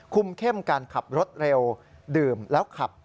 เข้มการขับรถเร็วดื่มแล้วขับ